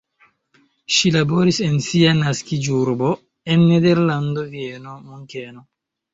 Ŝi laboris en sia naskiĝurbo, en Nederlando, Vieno, Munkeno.